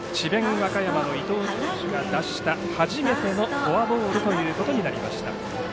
和歌山の伊藤投手が出した初めてのフォアボールということになりました。